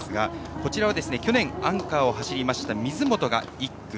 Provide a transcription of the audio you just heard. こちらは去年アンカーを走った水本が１区。